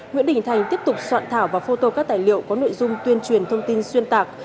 nguyễn đình thành tiếp tục soạn thảo và phô tô các tài liệu có nội dung tuyên truyền thông tin xuyên tạc